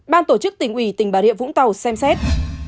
ban tổ chức tỉnh ủy tỉnh bà rịa vũng tàu xem xét